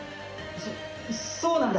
そっそうなんだ。